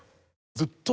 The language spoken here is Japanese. ずっと。